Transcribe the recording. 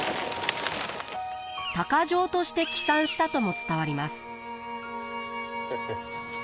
鷹匠として帰参したとも伝わります。